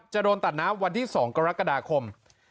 จะโดนตัดน้ำวันที่๒กรกฎาคม